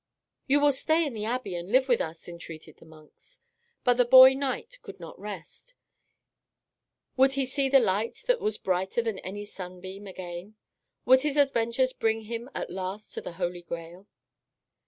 "You will stay in the abbey and live with us," entreated the monks. But the boy knight could not rest. Would he see the light that was brighter than any sunbeam again? Would his adventures bring him at last to the Holy Grail?